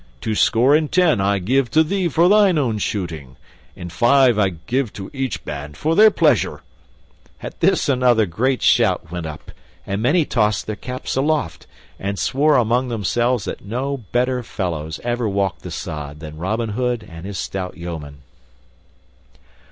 Twoscore and ten I give to thee for thine own shooting, and five I give to each band for their pleasure." At this another great shout went up, and many tossed their caps aloft, and swore among themselves that no better fellows ever walked the sod than Robin Hood and his stout yeomen.